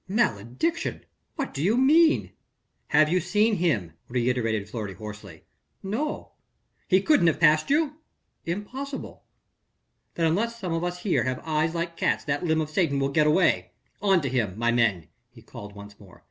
"Malediction! what do you mean?" "Have you seen him?" reiterated Fleury hoarsely. "No." "He couldn't have passed you?" "Impossible." "Then unless some of us here have eyes like cats that limb of Satan will get away. On to him, my men," he called once more.